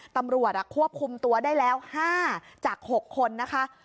ตำรวจควบคุมตัวได้แล้ว๕จาก๖คนนะคะ